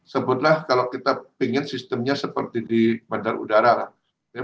sebutlah kalau kita ingin sistemnya seperti di bandara udara lah